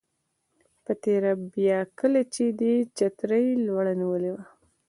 په تېره بیا کله چې دې چترۍ لوړه نیولې وه.